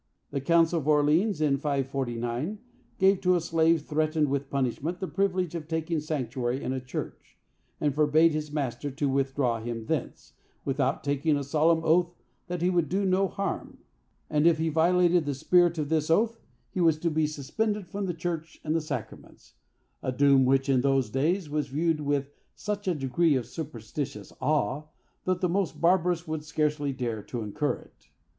The Council of Orleans, in 549, gave to a slave threatened with punishment the privilege of taking sanctuary in a church, and forbade his master to withdraw him thence, without taking a solemn oath that he would do him no harm; and, if he violated the spirit of this oath, he was to be suspended from the church and the sacraments,—a doom which in those days was viewed with such a degree of superstitious awe, that the most barbarous would scarcely dare to incur it.